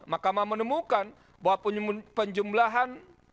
makamah menemukan bahwa penjumlahan